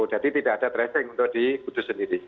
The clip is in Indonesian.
jadi tidak ada tracing untuk di kudus sendiri